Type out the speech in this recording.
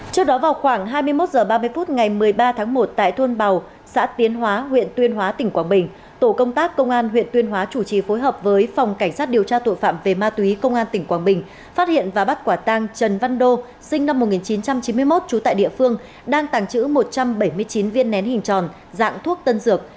trước đó vào khoảng hai mươi một h ba mươi phút ngày một mươi ba tháng một tại thôn bào xã tiến hóa huyện tuyên hóa tỉnh quảng bình tổ công tác công an huyện tuyên hóa chủ trì phối hợp với phòng cảnh sát điều tra tội phạm về ma túy công an tỉnh quảng bình phát hiện và bắt quả tăng trần văn đô sinh năm một nghìn chín trăm chín mươi một trú tại địa phương đang tàng trữ một trăm bảy mươi chín viên nén hình tròn dạng thuốc tân dược